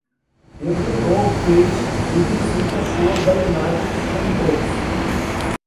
Every Ogg page begins with the four-byte magic string "OggS".